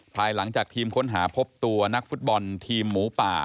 ภายหลังจากทีมค้นหาพบตัวนักฟุตบอลทีมหมูป่า